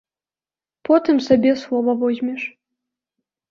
Потым сабе слова возьмеш.